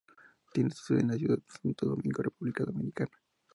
Tiene su sede en la ciudad de Santo Domingo, República Dominicana.